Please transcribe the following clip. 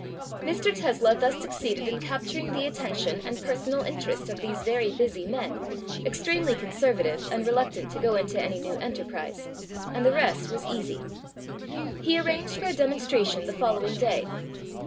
Mr. Tesla thus succeeded in capturing the attention and per sonal interest of these very busy men, extremely conservative and reluctant to go into any new en terprise, and the rest was easy. He arranged for a demonstration the following day.